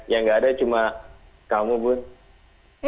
yang gak ada cuma kamu bud